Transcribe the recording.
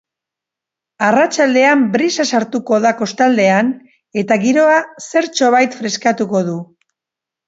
Arratsaldean brisa sartuko da kostaldean eta giroa zertxobait freskatuko du.